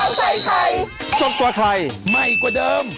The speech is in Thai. ขาวใส่ไขสกตัวไขใหม่กว่าเดิม